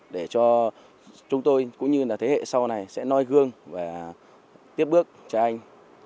để cho chúng tôi cũng như là thế hệ sau này sẽ noi gương và tiếp bước cho anh